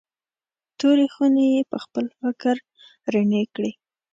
تورې خونې یې پخپل فکر رڼې کړې.